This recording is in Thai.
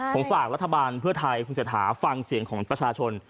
ผมฝากรัฐบาลเพื่อไทยคุณเศรษฐาฟังเสียงของประชาชน